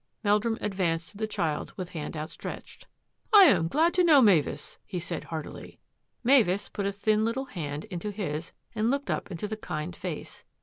Meldrum advanced to the child with hand out stretched. " I am glad to know Mavis," he said heartily. Mavis put a thin little hand into his and looked up into the kind face.